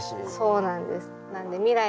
そうなんです。